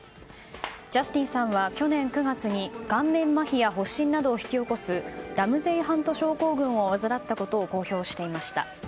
ジャスティンさんは去年９月に顔面まひや発疹などを引き起こすラムゼイハント症候群を患ったことを公表していました。